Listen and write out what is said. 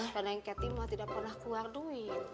dan neng kety mah tidak pernah keluar duit